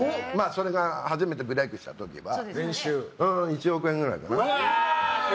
初めてブレークした時は年収１億円ぐらいかな。